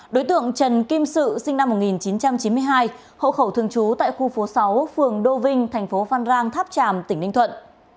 đối tượng trần kim sự sinh năm một nghìn chín trăm chín mươi hai hộ khẩu thường trú tại khu phố sáu phường đô vinh thành phố phan rang tháp tràm tỉnh ninh thuận